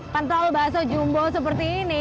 pental baso jumbo seperti ini